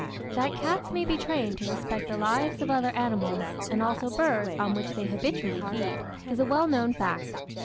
That cats may be trained to respect the lives of other animals, and also birds on which they habitually feed, is a well known fact.